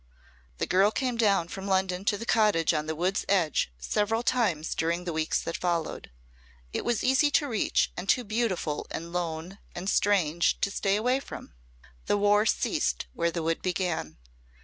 The girl came down from London to the cottage on the wood's edge several times during the weeks that followed. It was easy to reach and too beautiful and lone and strange to stay away from. The War ceased where the wood began.